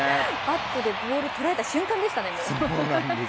バットでボールを捉えた瞬間でしたね。